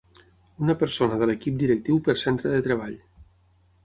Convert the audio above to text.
Una persona de l'equip directiu per centre de treball.